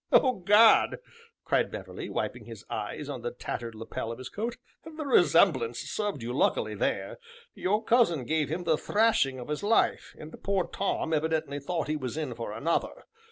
"Oh, gad!" cried Beverley, wiping his eyes on the tattered lapel of his coat, "the resemblance served you luckily there; your cousin gave him the thrashing of his life, and poor Tom evidently thought he was in for another.